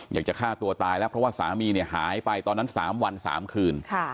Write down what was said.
อยากจะฆ่าตัวตายแล้วเพราะว่าสามีเนี่ยหายไปตอนนั้น๓วัน๓คืน